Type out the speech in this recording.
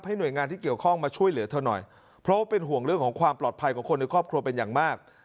หน่วยงานที่เกี่ยวข้องมาช่วยเหลือเธอหน่อยเพราะว่าเป็นห่วงเรื่องของความปลอดภัยของคนในครอบครัวเป็นอย่างมาก